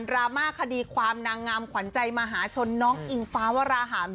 รามาคดีความนางงามขวัญใจมหาชนน้องอิงฟ้าวราหาร